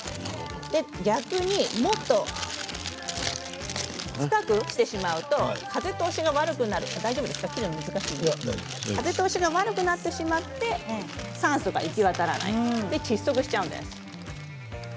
逆に、もっと深くしてしまうと風通しが悪くなってしまって酸素が行き渡らない窒息しちゃうんです。